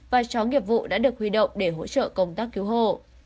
và chó nghiệp vụ đã được huy động để hỗ trợ công tác cứu hộ